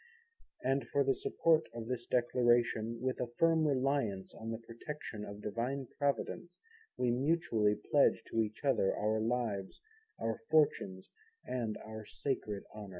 And for the support of this Declaration, with a firm reliance on the Protection of Divine Providence, we mutually pledge to each other our Lives, our Fortunes and our sacred